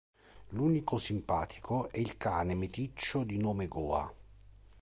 L'unico simpatico è il cane meticcio di nome Goa.